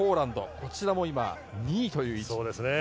こちらも今２位という。